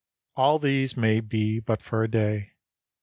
All these may be but for a day.